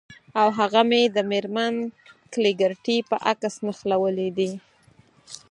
او هغه مې د میرمن کلیګرتي په عکس نښلولي دي